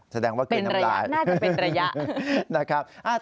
แสดงว่าเป็นนำราย